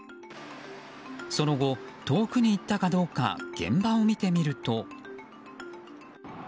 その後、遠くに行ったかどうか現場を見てみると。